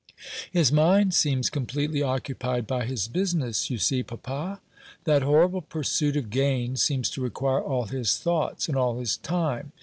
"His mind seems completely occupied by his business, you see, papa. That horrible pursuit of gain seems to require all his thoughts, and all his time.